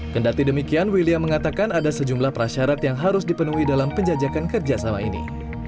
kendati demikian william mengatakan ada sejumlah prasyarat yang harus dipenuhi dalam penjajakan kerjasama ini